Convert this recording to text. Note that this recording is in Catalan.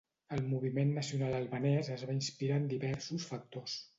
El moviment nacional albanès es va inspirar en diversos factors.